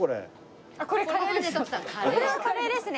これはカレーですね。